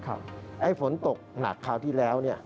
ฝนตกหนักคราวที่แล้ว